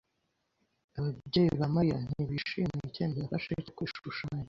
Ababyeyi ba Mariya ntibishimiye icyemezo yafashe cyo kwishushanya.